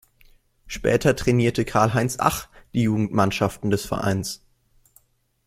Später trainierte Karl-Heinz Ach die Jugendmannschaften des Vereins.